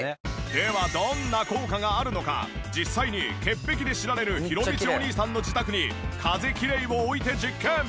ではどんな効果があるのか実際に潔癖で知られるひろみちお兄さんの自宅に風きれいを置いて実験。